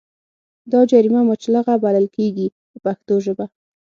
دا جریمه مچلغه بلل کېږي په پښتو ژبه.